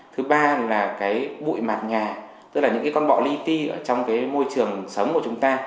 thứ ba là cái bụi mặt nhà tức là những con bọ ly ti trong môi trường sống của chúng ta